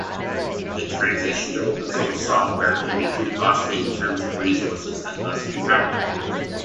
The transition to open source software can be too costly in terms of resources and thus impractical.